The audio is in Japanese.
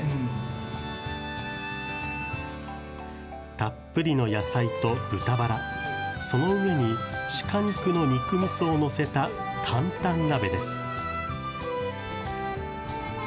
たっぷりの野菜と豚バラ、その上に鹿肉の肉みそを載せたタンタン鍋です。